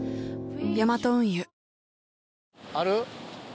ヤマト運輸ある？